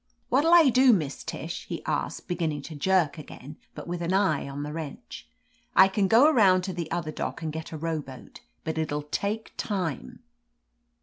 "What'll I do, Miss Tish?" he asked, begin ning to jerk again, but with an eye on the wrench. "I can go around to the other dock and get a rowboat, but it'll take time."